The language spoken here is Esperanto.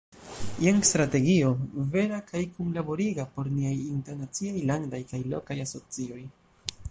Jen strategio, vera kaj kunlaboriga, por niaj internaciaj, landaj kaj lokaj asocioj.